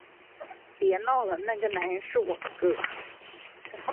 别闹了，那个男人是我哥